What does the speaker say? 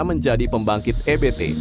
menjadi pembangkit ebt